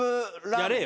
やれよ！